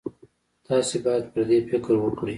تاسې باید پر دې فکر وکړئ.